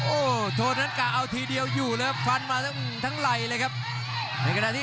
โอโหโทนอันกะเอาทีเดียวอยู่ฟันมาทั้งไหนเลยครับ